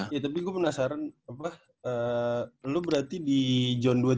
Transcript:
iya tapi gue penasaran apa lu berarti di john dua puluh tiga ya